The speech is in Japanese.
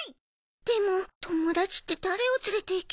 でも友達って誰を連れていけば。